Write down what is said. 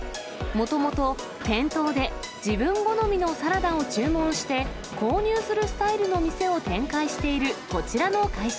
もともと店頭で自分好みのサラダを注文して、購入するスタイルの店を展開しているこちらの会社。